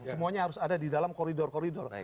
semuanya harus ada di dalam koridor koridor